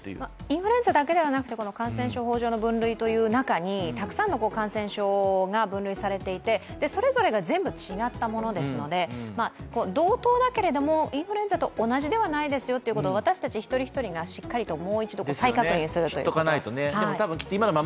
インフルエンザだけではなくて感染症法上の分類で、たくさんの感染症が分類されていてそれぞれが全部違ったものですので同等だけれども、インフルエンザと同じではないですよということを私たち一人一人がしっかりともう一度再確認するというか。